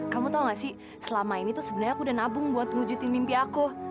kamu tau gak sih selama ini tuh sebenarnya aku udah nabung buat mewujudin mimpi aku